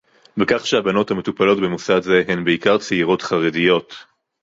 בכך שהבנות המטופלות במוסד זה הן בעיקר צעירות חרדיות